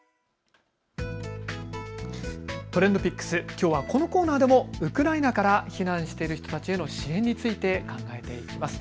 きょうはこのコーナーでもウクライナから避難している人たちへの支援について考えていきます。